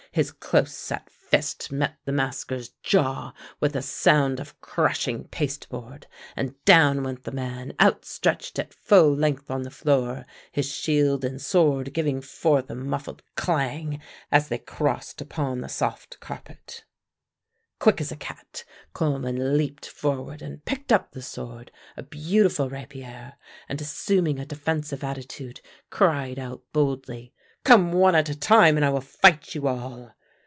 His close set fist met the masker's jaw with a sound of crushing pasteboard, and down went the man outstretched at full length on the floor, his shield and sword giving forth a muffled clang as they crossed upon the soft carpet. Quick as a cat Coleman leaped forward and picked up the sword, a beautiful rapier, and, assuming a defensive attitude, cried out boldly: "Come one at a time and I will fight you all!"